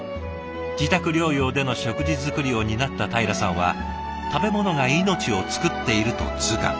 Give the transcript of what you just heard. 自宅療養での食事作りを担ったたいらさんは食べ物が命をつくっていると痛感。